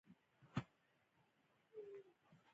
له سره ورباندې فکر وکړو بله چاره نه لرو.